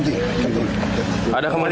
ini siang ya sudah yuk